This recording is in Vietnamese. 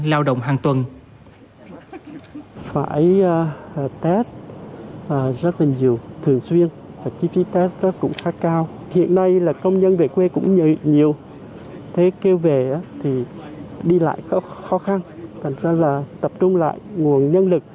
lao động hàng tuần